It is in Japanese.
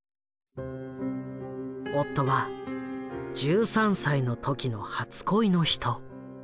夫は１３歳の時の初恋の人。